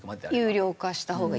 有料化したほうがいい。